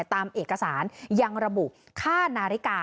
ตามเอกสารยังระบุค่านาฬิกา